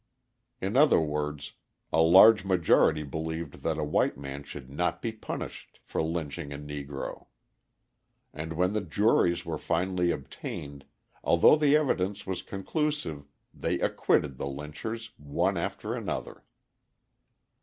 In other words, a large majority believed that a white man should not be punished for lynching a Negro. And when the juries were finally obtained, although the evidence was conclusive, they acquitted the lynchers, one after another.